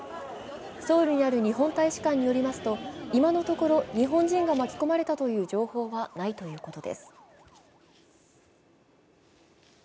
ソウルにある日本大使館によりますと、今のところ日本人が巻き込まれたという情報はないということです。